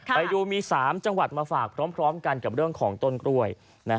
ไปดูมี๓จังหวัดมาฝากพร้อมกันกับเรื่องของต้นกล้วย